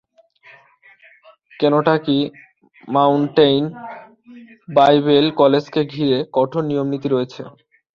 Kentucky Mountain Bible কলেজকে ঘিরে কঠোর নিয়মনীতি রয়েছে।